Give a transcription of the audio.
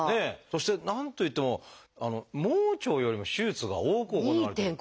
そして何といっても盲腸よりも手術が多く行われてる。